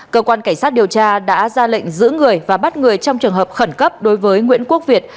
cơ quan cảnh sát điều tra đã ra lệnh giữ người và bắt người trong trường hợp khẩn cấp đối với nguyễn quốc việt